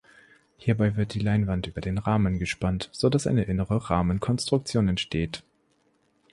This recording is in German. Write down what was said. Hierbei wird die Leinwand über den Rahmen gespannt, so dass eine innere Rahmenkonstruktion entsteht.